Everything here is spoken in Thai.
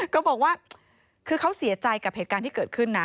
ก็บอกว่าคือเขาเสียใจกับเหตุการณ์ที่เกิดขึ้นนะ